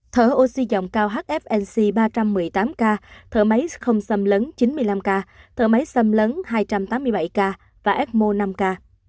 thở oxy dòng cao hfnc ba trăm một mươi tám k thở máy không xâm lấn chín mươi năm ca thở máy xâm lấn hai trăm tám mươi bảy k và ecmo năm k